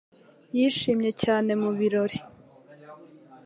Yishimye cyane mu birori.